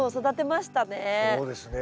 そうですね。